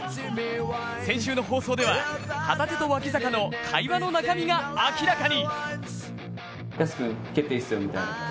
先週の放送では旗手と脇坂の会話の中身が明らかに。